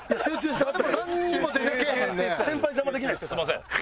すみません。